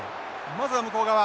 まずは向こう側。